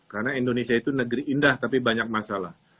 karena indonesia itu negeri indah tapi banyak masalah